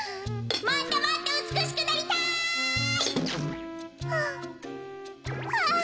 もっともっとうつくしくなりたい！ほっ。